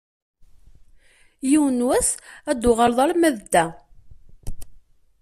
Yiwen n wass ad d-tuɣaleḍ alamma d da.